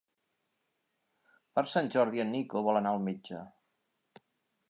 Per Sant Jordi en Nico vol anar al metge.